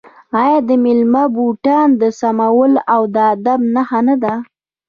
آیا د میلمه بوټان سمول د ادب نښه نه ده؟